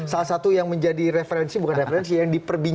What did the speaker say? salah satu yang menjadi referensi bukan referensi yang diperbincangkan